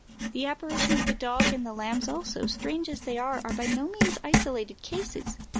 The apparition of the dog and the lambs also, strange as they are, are by no means isolated cases.